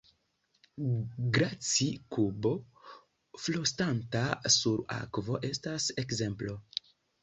Glaci-kubo flosanta sur akvo estas ekzemplo.